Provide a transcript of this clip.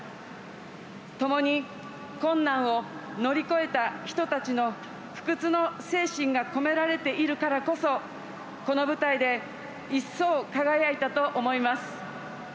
ともに困難を乗り越えた人たちの不屈の精神が込められているからこそこの舞台で一層輝いたと思います。